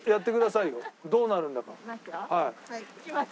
いきますよ。